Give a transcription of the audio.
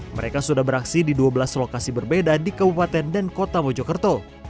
mereka sudah beraksi di dua belas lokasi berbeda di kabupaten dan kota mojokerto